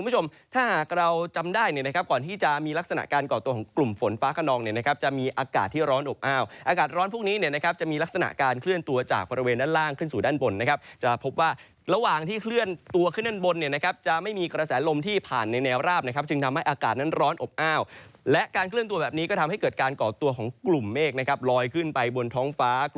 จะมีลักษณะการก่อตัวของกลุ่มฝนฟ้าขนองจะมีอากาศที่ร้อนอบอ้าวอากาศร้อนพวกนี้จะมีลักษณะการเคลื่อนตัวจากบริเวณด้านล่างขึ้นสู่ด้านบนจะพบว่าระหว่างที่เคลื่อนตัวขึ้นด้านบนจะไม่มีกระแสลมที่ผ่านในแนวราบจึงทำให้อากาศนั้นร้อนอบอ้าวและการเคลื่อนตัวแบบนี้ก็ทำให้เกิดการก่อตัวของ